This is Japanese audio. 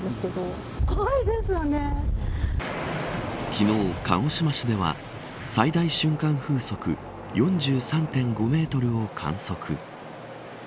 昨日、鹿児島市では最大瞬間風速４３．５メートルを観測。